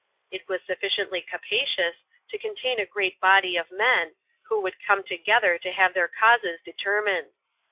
It was sufficiently capacious to contain a great body of men, who would come together to have their causes determined.